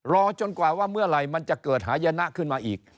รอจนกว่าว่าเมื่อไหร่มันจะเกิดหายนะขึ้นมาอีก